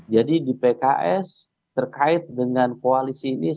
jadi di pks terkait dengan koalisi ini